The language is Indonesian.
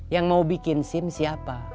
yang mau bikin sim siapa